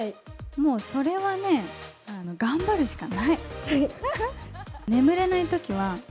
もうそれはね、頑張るしかない。